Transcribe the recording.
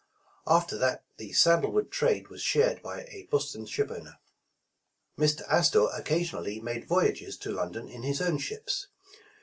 After that the sandal wood trade was shared by a Boston ship owner. Mr. Astor occasionally made voyages to London in his own ships.